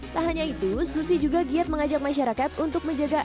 tak hanya itu susi juga giat mengajak masyarakat untuk menjaga